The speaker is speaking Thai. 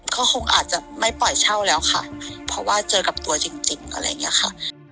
ก็คงอาจจะไม่ปล่อยเช่าแล้วค่ะเพราะว่าเจอกับตัวจริงอะไรอย่างนี้ค่ะ